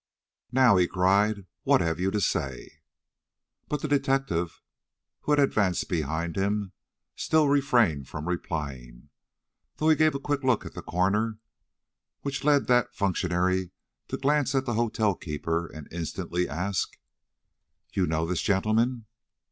"Now," he cried, "what have you to say?" But the detective, who had advanced behind him, still refrained from replying, though he gave a quick look at the coroner, which led that functionary to glance at the hotel keeper and instantly ask: "You know this gentleman?"